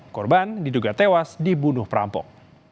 korban diduga tewas dibunuh perampok